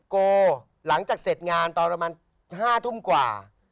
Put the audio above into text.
โกหลังจากเสร็จงานตอนประมาณ๕ทุ่มกว่า